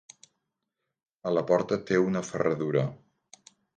A la porta té una ferradura.